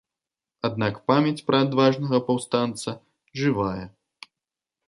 Аднак памяць пра адважнага паўстанца жывая.